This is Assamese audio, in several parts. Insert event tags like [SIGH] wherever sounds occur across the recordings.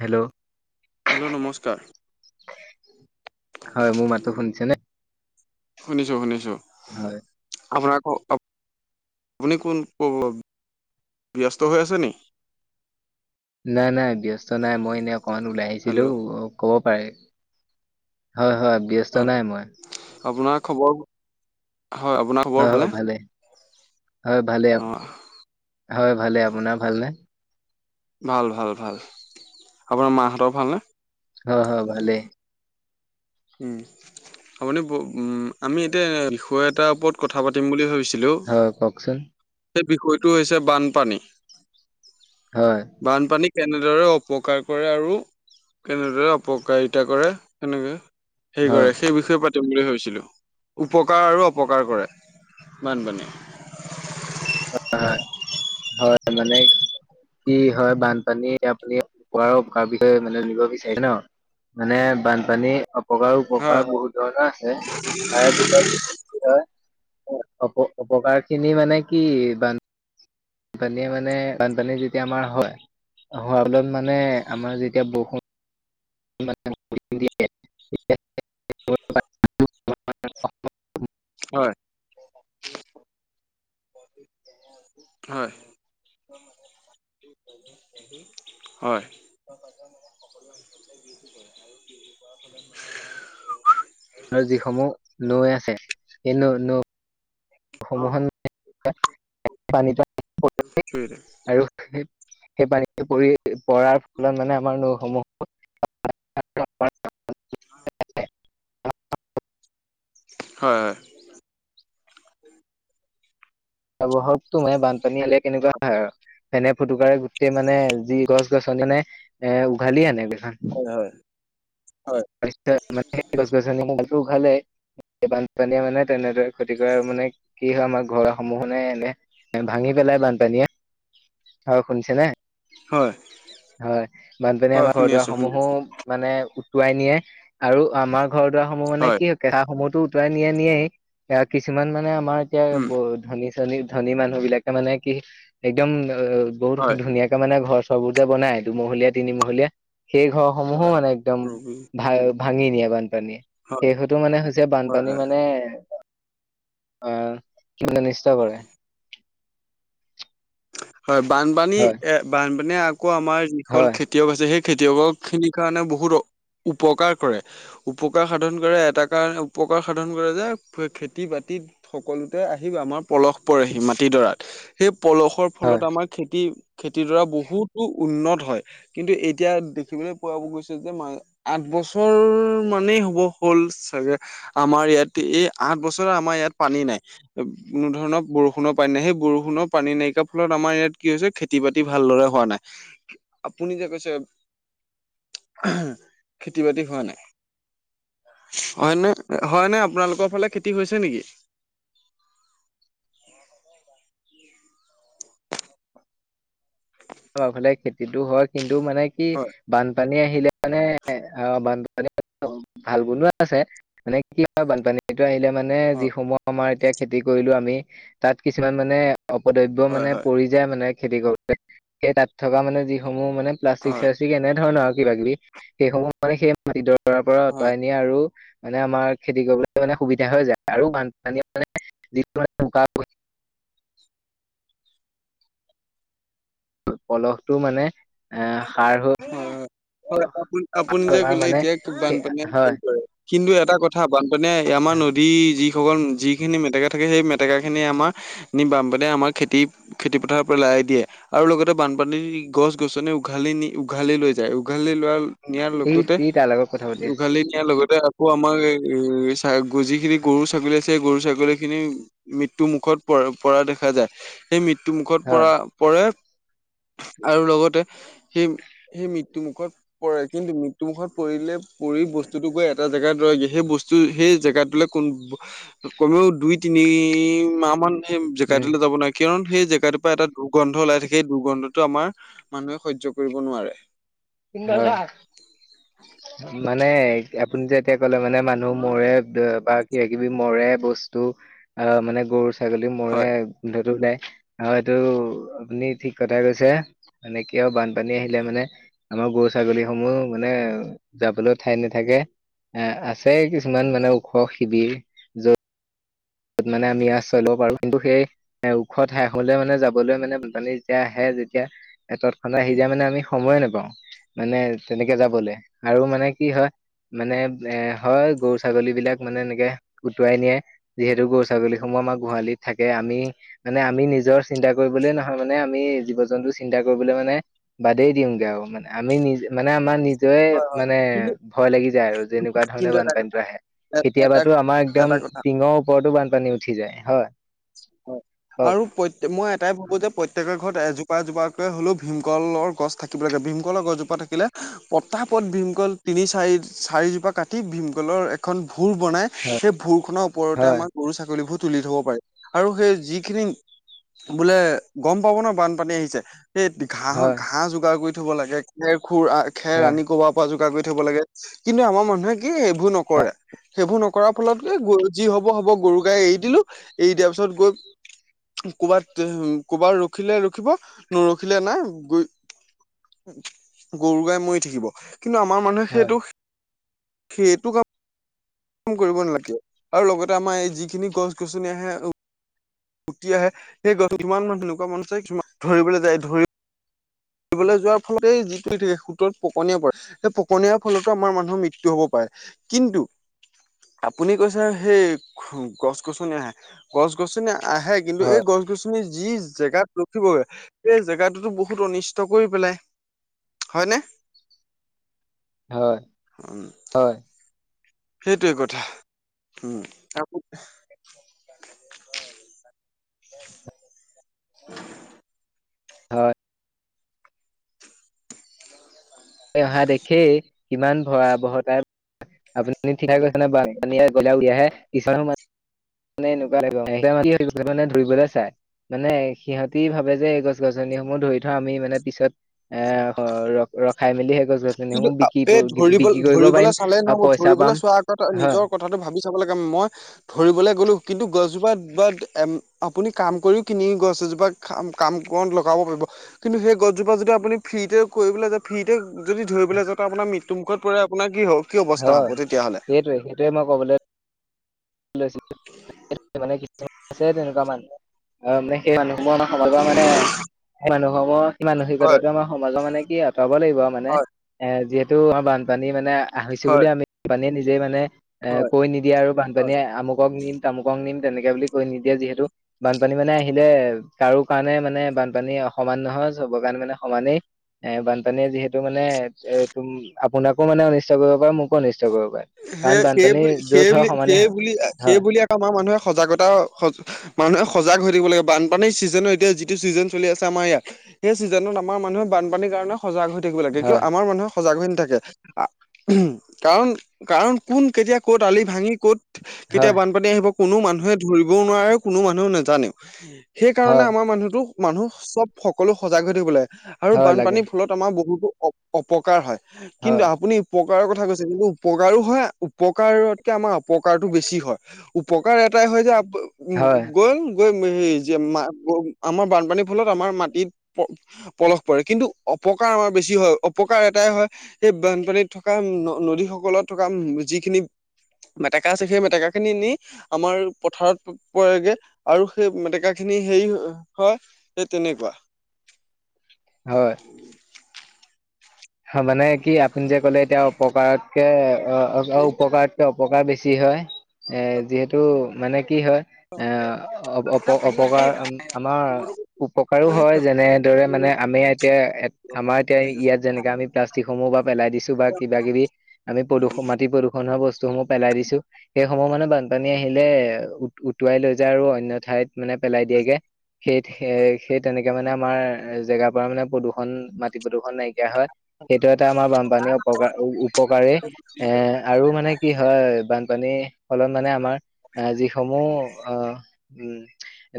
হেল্ল' হেল্ল' নমস্কাৰ। হয় মোৰ মাতো শুনিছে নে? শুনিছো শুনিছো। হয়। অ। আপুনি কোন কব ব্যস্ত হৈ আছে নি? নাই নাই ব্যস্ত নাই মই এনেই অকমান ওলাই হেল্ল' আহিছিলো অ ক'ব পাৰে। হয় হয় ব্যস্ত অ নাই মই। আপোনাৰ খবৰ? হয় খবৰ হয় ভালে? হয় হয় ভালে অ হয় ভালে আপোনাৰ ভালনে? ভাল ভাল ভাল আপোনাৰ মাহঁতৰ ভালনে? অ হয় ভালেই। উম আপুনি উম আমি এতিয়া। থৈ এটাৰ ওপৰত কথা পাতিম বুলি ভাবিছিলোঁ। হয় কওকচোন বিষয়টো হৈছে বানপানী হয় বানপানী। কেনেদৰে উপকাৰ কৰে আৰু কেনেদৰে অপকাৰিতা কৰে সেনেকে। সেই হয় কৰে সেই বিষয়ে পাতিম বুলি ভাবছো। উপকাৰ আৰু অপকাৰ কৰে বানপানীয়ে। হয় [UNINTELLIGIBLE] হয় মানে। কি হয় বানপানী আপুনি ৱাৰ উপকাৰ বিষয়ে মানে নিব বিচাৰে ন। মানে বানপানী অপকাৰ হয় উপকাৰ বহুত ধৰণৰ আছে তাৰে ভিতৰত অপ। অপকাৰ খিনি মানে কি বান। বানপানীয়ে মানে বানপানী যেতিয়া আমাৰ হয় হোৱাৰ বলত মানে আমাৰ যেতিয়া বৰষুণ। [UNINTELLIGIBLE] হয়। হয়। হয়। [UNINTELLIGIBLE] আৰু যিসমূহ নৈ আছে সেই নৈ নৈ সমূহ। পানী প। সৰি। সেই পানীটো পৰি পৰাৰ ফলত মানে আমাৰ নৈসমূহ। হয়। হয় হয়। হক তো মে বানপানী হলে কেনেকুৱা হয় আৰু সেনে ফুটুকাৰে গোটেই মানে যি গছ। গছন যেনে এ উঘালি আনেে। হয় হয়। মানে খাল ব্ধ ম ন তেনে। ক্ষতি কৰাৰ মানে কি হয় আমাৰ ঘৰ সমূহ নে এনে ভাঙি পেলাই বানপানীয়ে। হয় শুনছে নে? হয়। হয় বানপানীয়ে হয় আমাৰ শুনি ঘৰ দোৱা আছো শুনি সমূহো আছো মানে উটুৱাই নিয়ে। আৰু আমাৰ ঘৰ দুৱাৰ সমূহ মানে কি হয় কেঁঠা সমূহতো উটুৱাই নিয়ে নিয়েই কিছুমান মানে। আমাৰ এতিয়া উম ব ধনী চনী ধনী মানুহ বিলাকে মানে কি একদম। অ বহুত হয় ধুনীয়াকে মানে ঘৰ চবোৰ যে বনাই দুমহলীয়া তিনিমহলীয়া। সেই ঘৰসমূহো হয় মানে একদম ৰবি ভা ভাঙি নিয়ে বান। বানপানী হয় শেহতো মানে হৈছে হয় বানপানী হয়। মানে আহ। ম নিষ্ঠা কৰে। হয় বানপানী হয় এ বানপানীয়ে আকৌ আমাৰ যিখনল হয় খেতিয়ক আছে সেই। খেতিয়কৰ খিনিৰ কাৰণে বহুত। উপকাৰ কৰে উপকাৰ সাধন কৰে এটা কাৰণে উপকাৰ সাধন কৰে যে খেতি বাতি। সকলোতে আহিব আমাৰ পলস পৰেহি মাটিডৰাত সেই পলস। হয়। ফলত আমাৰ খেতি। খেতিডৰা বহুতো উন্নত হয় কিন্তু এতিয়া দেখিবলৈ পোৱা গৈছে যে আঠ বছ। বছৰ মানেই হ'ব হ'ল চাগে আমাৰ ইয়াত এই আঠ বছৰে আমাৰ ইয়াত পানী ন কোনো ধৰণৰ বৰষুণৰ পানী নাই সেই বৰষুণৰ পানী নাইকিয়া। ফলত আমাৰ ইয়াত কি হৈছে খেতি বাতি ভালদৰে হোৱা নাই আপুনি যে কৈছে খেতি-বাতি হোৱা নাই। হয় নে হয় নে আপোনালোকৰ ফালে খেতি হৈছে নেকি? অ। ফালে খেতিতো হয় কিন্তু মানে কি হয় বানপানী আহিলে। মানে অ বানপানী ভাল বনো আছে মানে কি হয় বানপানী আহিলে। মানে হয় যিসমূহ আমাৰ এতিয়া খেতি কৰিলো আমি তাত কিছুমান মানে। অপদ্ৰব্য হয় মানে হয় পৰি যায় মানে খেতি কৰোতে সেই তাত থকা মানে যিসমূহ মানে হয় প্লাষ্টিক-চাষ্টিক এনেধৰণৰ মানে কিবাকিবি এইসমূহ মানে। তাৰ পৰা হয় আঁতৰাই নিয়ে আৰু মানে আমাৰ খেতি কৰিবলৈ মানে সুবিধা হৈ যায় আৰু বানপানী মানে যিটো [UNINTELLIGIBLE] পলহটো মানে। আহ সাৰ হৈ হয় হয় আপুনি আপুনি যে আমাৰ কলে মানে এতিয়া সেই বানপানীয়ে হে হয় কৰে কিন্তু এটা কথা বানপানীয়ে আমাৰ নদী যি। সকল যিখিনি মেটেকা থাকে সেই মেটেকাখিনি আমাৰ বানপানীয়ে আমাৰ খেতি খেতিপথাৰৰ পৰা লাই। দিয়ে আৰু লগতে বানপানী গছ-গছনি উঘালি নি উঘালি লৈ যায় উঘালি লোৱাৰ। নিয়াৰ ই লগতে ই তাৰ লগত কথা পাতি আছে উঘালি নিয়াৰ লগতে আ। আমাৰ যিখিনি গৰু ছাগলী আছে গৰু ছাগলী খিনি মৃত্যু মুখত পৰে। পৰা দেখা যায় সেই মৃত্যু। মৃত্যু মুখত হয় পৰা পৰে [INAUDIBLE] আৰু লগতে [UNINTELLIGIBLE] সেই সেই মৃত্যু মুুখত পৰে কিন্তু মৃত্যু মুুখত পৰিলে পৰি বস্তুটো গৈ এটা জেগাত। সেই বস্তু সেই জেগাটোলৈ কমেও দুই তিনি মাহ মান। জেগাটোলৈ উম যাব নোৱাৰি কাৰণ। সেই জেগাটোৰ পৰা এটা দুৰ্গন্ধ ওলাই থাকে সেই দুৰ্গন্ধটো আমাৰ মানুহে সহ্য কৰিব নোৱাৰে। মানে আপুনি যে এতিয়া কলে মানে। মানুহ মৰে আহ বা কিবাকিবি মৰে বস্তু অ মানে গৰু। ছাগলী মোৰে হয় গোন্ধটো নাই। অ এইটো আপুনি ঠিক কথাই কৈছে মানে কিয় বানপানী আহিলে মানে। আমাৰ গৰু ছাগলীসমূহ মানে যাবলৈও ঠাই নাথাকে। এ আছে কিছুমান মানে ওখ শিবিৰ যত তত মানে আমি আশ্ৰয় লব পাৰো। কিন্তু সেই ওখ ঠাইখনৰে মানে যাবলৈ মানে পানী যেতিয়া আহে যেতিয়া তৎক্ষণাত আহি যায় মানে আমি সময়ে নেপাওঁ। মানে তেনেকে যাবলৈ আৰু মানে কি হয় মানে এ হয় গৰু ছাগলীবিলাক মানে এনেকে উটুৱাই নিয়ে। যিহেতু গৰু ছাগলীসমূহ আমাৰ গোহালিত থাকে। আমি মানে আমি নিজৰ চিন্তা কৰিবলে নহয়। মানে আমি জীৱ-জন্তু চিন্তা কৰিবলৈ মানে বাদেই দিওঁগে আৰু মানে আমি নিজ মানে আমাৰ নি নিজৰে হয় হয় মানে কিন্তু ভয় লাগি যায় আৰু যেনেকুৱা ধৰণে কিন্তু এটা বানপানীতো কথা আহে। এটা কেতিয়াবাটো আমাৰ একদম এটা কথা টিঙৰ ওপৰতো বানপানী উঠি যায়। হয়? হয় কওক আৰু প্ৰত মই এটাই ভাবো যে প্ৰত্যেকৰ ঘৰত এজোপা এজোপাকৈ হ'লেও ভীমকলৰ গছ থাকিব লাগে। ভীমকলৰ গছজোপা থাকিলে পতাপত ভীম [UNINTELLIGIBLE] ভীমকল তিনি, চাৰি চাৰিজোপা কাটি ভীমকলৰ এখন ভোৰ বনায়। হয় সেই ভুৰখনৰ ওপৰতে হয় আমাৰ গৰু ছাগলীবোৰ তুলি থ'ব পাৰি। আৰু সেই যিখিনি বোলে গম পাব ন বানপানী আহিছে সেই ঘাঁহৰ হয় ঘাঁহ যোগাৰ কৰি থব লাগে। খেৰ খুৰ আ খেৰ হয় আনি ক'বাৰ পৰা যোগাৰ কৰি থব লাগে কিন্তু আমাৰ মানুহে কি এইবোৰ নকৰে। সেইবোৰ নকৰা ফলত এ গৰু যি হব হ'ব। গৰু গাই এৰি দিলো এৰি দিয়াৰ পিছত গল। ক'বাত এহ ক'বাত ৰখিলে ৰখিব নৰখিলে নাই। গৈ গৰু গাই মৰি থাকিব। কিন্তু আমাৰ মানুহে হয় সেইটো, সেইটো ক কৰিব নালাগে আৰু লগতে আমাৰ এই যিখিনি গছ গছনি আহে উটি আহে, সেই গছ কিমান মান সেনেকুৱা মানুহ আছে কিছুমান ধৰিবলৈ যায় ধৰি ফুৰিবলৈ যোৱাৰ ফলতে এই যিটো এ সোতত পকনীয়া পৰে। সেই পকনীয়াৰ ফলতো আমাৰ মানুহৰ মৃত্যু হ'ব পাৰে। কিন্তু আপুনি কৈছে সেই খু গছ গছনি আহে। গছ গছনি আ আহে কিন্তু এই হয় গছ গছনি যি জেগাত ৰখিব, সেই জেগাতোটো বহুত অনিচ ট কৰি পেলায়, হয়নে? হয়, হয়। সেইটোৱে কথা উম [INAUDIBLE] হয়। এই অহা দেখেই। কিমান ভয়াবহতা আপুনি [UNINTELLIGIBLE] মানে [UNINTELLIGIBLE] মানে সিহতি ভাবে যে এই গছ গছনিসমূহ ধৰি থোৱা আমি মানে পিছত এ ৰ ৰখাই মেলি সেই গছ কিন্তু গছনিসমূহ আ বিক্ৰী এই ধৰিব বিক্ৰী কৰিব পাৰিম ধৰিবলৈ চালে আৰু নহ'ব। পইচা ধৰিবলৈ পাম চোৱাৰ আগতে হয় নিজৰ কথাটো ভাবি চাব লাগে। মই ধৰিবলে গ'লো কিন্তু গছজোপাত বাত এম আপুনি কাম কৰিও কিনি গছ গছজোপা খাম কাম কণ লগাব পাৰিব কিন্তু সেই গছজোপা যদি আপুনি ফ্ৰীতে কৰিবলৈ যায় ফ্ৰীতে যদি ধৰিবলে যাওঁ ত আপোনাৰ মৃত্যুমুখত পৰে আপোনাৰ কি হ'ব? কি অৱস্থা হয় হ'ব তেতিয়াহ'লে? সেইটোৱে সেইটোৱে মই কবলৈ লৈছিলো মানে কিছুমান আছে তেনেকুৱা মানু আহ মানে সেই মানুহ ন খাল পা মানে মানুহ হব সেই হয় মানসিকতাটো আমাৰ সমাজৰ কাৰনে কি আঁতৰাব লাগিব আউ মানে। হয় এ যিহেতু আমাৰ বানপানী মানে আহিছো বুলি হয় আমি বানপানীয়ে নিজে মানে এ হয় কৈ নিদিয়ে আৰু হয়। বানপানীয়ে আমুকক নিম আমুকং নিম তেনেকে বুলি কৈ নিদিয়ে যিহেতু। বানপানী মানে আহিলে কাৰো কাৰণে মানে বানপানী সমান নহয়, চবৰ কাৰনে মানে সমানেই। এ বানপানীয়ে যিহেতু মানে মানে এ টুম আপোনাকো মানে অনিষ্ট কৰিব পাৰে, মোকো অনিষ্ট কৰিব পাৰে হে কাৰণ সেই বানপানী বুলি য'ত সেই হয় বুলি সমানেই সেই হয় বুলি সেই হয় বুলি আমাৰ মানুহে সজাগতা হ মানুহে সজাগ হৈ থাকিব লাগে। বানপানীৰ চিজনৰ এতিয়া যিটো চিজন চলি আছে আমাৰ সেয়া, সেই চিজনত আমাৰ মানুহে বানপানীৰ কাৰণে সজাগ হৈ থাকিব লাগে। কিয় হয় আমাৰ মানুহে সজাগ হৈ নাথাকে। আ কাৰণ কাৰণ কোন কেতিয়া ক'ত আলি ভাঙি ক'ত কেতিয়া হয় বানপানী আহিব! কোনো মানুহে ধৰিবও নোৱাৰে। আৰু কোনো মানুহে নেজানেও। সেইকাৰণে হয় আমাৰ মানুহটোক মানুহ চব সকলো সজাগ হৈ থাকিব লাগে। আৰু হয় লাগে বানপানীৰ ফলত আমাৰ বহুতো অপ অপকাৰ হয়। কিন্তু হয় আপুনি উপকাৰৰ কথা কৈছে। কিন্তু উপকাৰো হয়, উপকাৰতকে আমাৰ অপকাৰটো বেছি হয়। উপকাৰ এটাই হয় যে উ হয়, [UNINTELLIGIBLE] [UNINTELLIGIBLE] মে জীয়া মা ব আমাৰ বানপানীৰ ফলত আমাৰ মাটিত প-পলস পৰে। কিন্তু অপ অপকাৰ আমাৰ বেছি হয়। অপকাৰ এটাই হয় সেই বানপানীত থকা ন-নদীস কলত থকা যিখিনি মেটেকা আছে, সেই মেটেকা খিনি নি আমাৰ পথাৰত প-পৰেগে। আৰু সেই মেটেকাখিনি খিনি হেৰি হয়। সেই তেনেকুৱা। হয়। মানে কি আপুনি যে ক'লে এতিয়া অপকাৰতকে অ' উপকাৰতকে অপকাৰ বেছি। বেছি হয়। এ যিহেতু মানে কি হয়, এ অপ-অপকাৰ আমাৰ উপকাৰো হয়। যেনে, মানে আমি এতিয়া, আমাৰ এতিয়া ইয়াত যেনেকে আমি প্লাষ্টিকসমূহ বা পেলাই দিছো, বা কিবাকিবি আমি প্ৰদূষণ, মাটি প্ৰদূষণ হোৱা বস্তু বস্তুসমূহ পেলাই দিছো। সেই সময়মতে মানে বানপানী আহিলে উতু উটুৱাই লৈ যায় আৰু অন্য ঠাইত মানে পেলাই দিয়েগে। সেই-সেই তেনেকে মানে আমাৰ জেগাৰ পৰা মানে প্ৰদূষণ, মাটি প্ৰদূষণ নাইকিয়া হয়। সেইটো এটা আমাৰ বানপানী অপকাৰ উপকাৰেই। এ আৰু মানে কি হয় বান পানী হ'লত মানে আমাৰ যিসমূহ আ উম।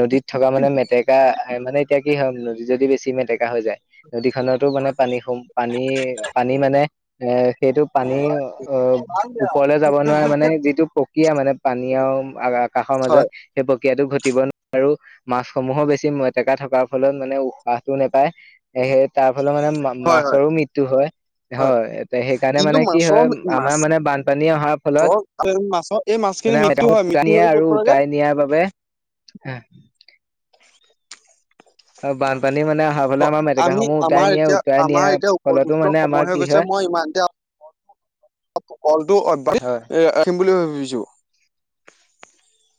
নদীত থকা মানে মেটেকা মানে, এতিয়া কি হয় নদীত যদি বেছি মেটেকা কা হৈ যায়। নদীখনতো মানে পানী হুম, পানী পানী মানে এ সেইটো পানী অ ওপৰলে যাব। নোৱাৰে মানে। যিটো প্ৰক্ৰিয়া মানে পানী আৰু আকাশৰ মাজত হয় সেই প্ৰক্ৰিয়াটো ঘটিব। আৰু মাছসমূহো বেছি মেটেকা থকাৰ ফলত মানে উশাহটো নেপায়। সেয়েহে তাৰ ফলত মানে হয় হয় মাছৰো মৃত্যু হয়। হয়। তে সেইকাৰণে কিন্তু মানে কি মাছৰ হয় আমাৰ মানে বানপানী অহাৰ ফলত মাছৰ মাছৰ এই মাছ খিনি মানে মৃত্যু হয় উটাই মৃত্যু নিয়ে হৈ ক'ত আৰু পৰেগে উটাই নিয়াৰ বাবে বানপানী মানে অহাৰ [UNINTELLIGIBLE] ফলে অ', আমাৰ আমি মেটেকাসমূহ উটাই আমাৰ নিয়ে এতিয়া উটাই নিয়াৰ আমাৰ এতিয়া ফলতো উপযুক্ত মানে আমাৰ সময় হৈ কি গৈছে। হয় মই ইমানতে কলটো অভ্যাস হয় ৰাখিম বুলি ভাবিছো। [UNINTELLIGIBLE]